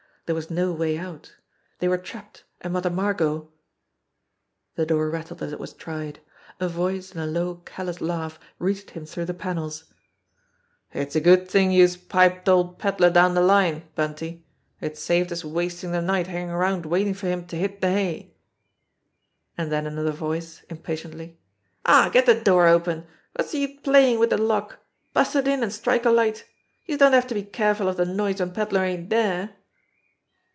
There was no way out. They were trapped, and Mother Margot The door rattled as it was tried. A voice in a low callous laugh reached him through the panels: "It's a good thing youse piped old Pedler down de line, 96 JIMMIE DALE AND THE PHANTOM CLUE Bunty; it's saved us wastin' de night hangin' round waitin 1 for him to hit de hay!" And then another voice, impatiently: "Aw, get de door open ! Wot's de use playin' wid de lock? Bust it in, an' strike a light ! Youse don't have to be careful of de noise when Pedler ain't dere."